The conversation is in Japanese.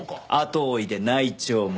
後追いで内調も。